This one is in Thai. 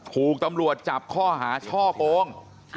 ถูกตำรวจจับข้อหาช่อโกง